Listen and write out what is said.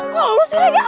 kok lu sirega